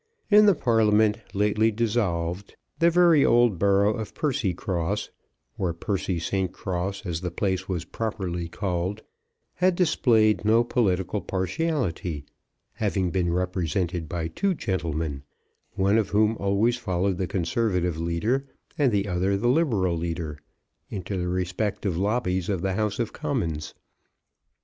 In the Parliament lately dissolved, the very old borough of Percycross, or Percy St. Cross, as the place was properly called, had displayed no political partiality, having been represented by two gentlemen, one of whom always followed the conservative leader, and the other the liberal leader, into the respective lobbies of the House of Commons.